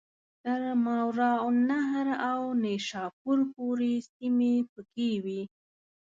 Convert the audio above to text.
تر ماوراءالنهر او نیشاپور پوري سیمي پکښي وې.